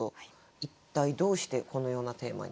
一体どうしてこのようなテーマに？